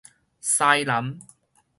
西南